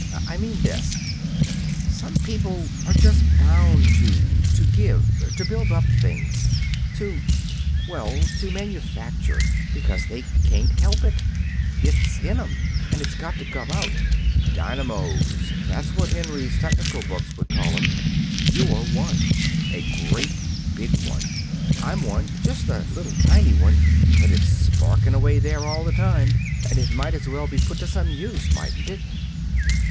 I mean this: Some people are just bound to to give, to build up things, to well, to manufacture, because they just can't help it. It's in 'em, and it's got to come out. Dynamos that's what Henry's technical books would call them. You're one a great big one. I'm one. Just a little tiny one. But it's sparking away there all the time, and it might as well be put to some use, mightn't it?"